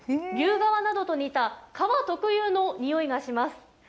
牛革などと似た革特有の匂いがします。